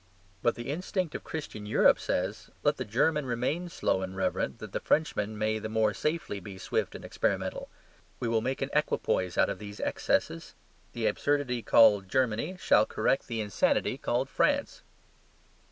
But the instinct of Christian Europe says, "Let the German remain slow and reverent, that the Frenchman may the more safely be swift and experimental. We will make an equipoise out of these excesses. The absurdity called Germany shall correct the insanity called France."